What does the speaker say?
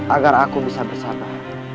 agar aku bisa bersabar